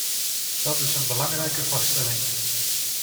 Dat is een belangrijke vaststelling.